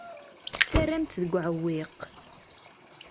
Tettarram-tt deg uɛewwiq.